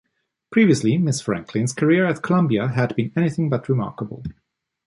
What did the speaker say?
Previously, Ms. Franklin's career at Columbia had been anything but remarkable.